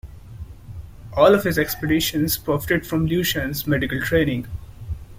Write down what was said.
All his expeditions profited from Luschan's medical training.